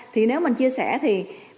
thì nếu mình chia sẻ thì